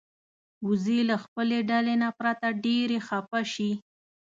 وزې له خپلې ډلې نه پرته ډېرې خپه شي